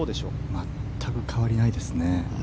全く変わりないですね。